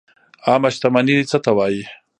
عامه شتمني څه ته وایي؟